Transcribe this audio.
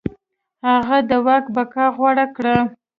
هغه د واک بقا غوره کړه.